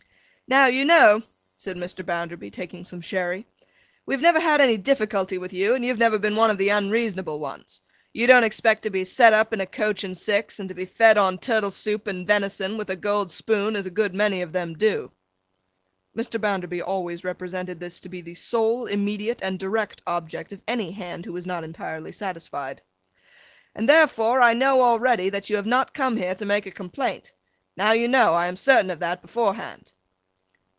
'Now, you know,' said Mr. Bounderby, taking some sherry, 'we have never had any difficulty with you, and you have never been one of the unreasonable ones. You don't expect to be set up in a coach and six, and to be fed on turtle soup and venison, with a gold spoon, as a good many of 'em do!' Mr. Bounderby always represented this to be the sole, immediate, and direct object of any Hand who was not entirely satisfied; 'and therefore I know already that you have not come here to make a complaint. Now, you know, I am certain of that, beforehand.